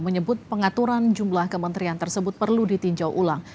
menyebut pengaturan jumlah kementerian tersebut perlu ditinjau ulang